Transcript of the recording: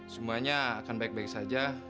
semuanya akan baik baik saja